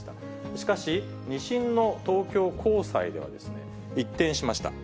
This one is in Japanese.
しかし、２審の東京高裁では一転しました。